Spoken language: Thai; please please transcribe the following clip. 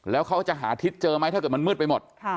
แล้วเขาจะหาทิศเจอไหมถ้าเกิดมันมืดไปหมด